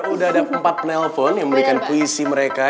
udah ada empat penelpon yang memberikan puisi mereka